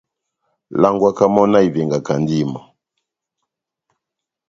Langwaka mɔ́ náh ivengakandi mɔ́.